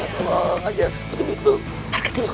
tolong aja seperti itu